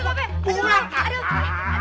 aduh babe aduh aduh aduh